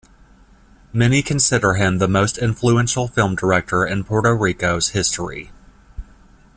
Many consider him the most influential film director in Puerto Rico's history.